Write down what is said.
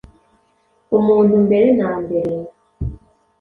Umuntu, mbere na mbere,